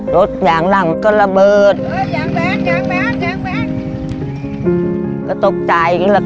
รถอย่างร่างก็ระเบิดอย่างแบงก์อย่างแบงก์อย่างแบงก์